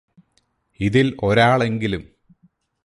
ഇതില് ഒരാളെങ്കിലും